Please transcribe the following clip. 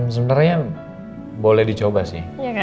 sebenarnya boleh dicoba sih